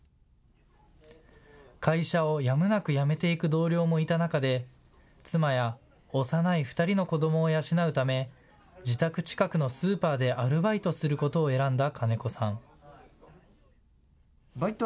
会社をやむなく辞めていく同僚もいた中で妻や幼い２人の子どもを養うため自宅近くのスーパーでアルバイトすることを選んだ金子さん。